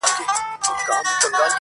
خداى دي نه كړي د قام بېره په رگونو،